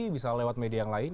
bisa lewat media yang lain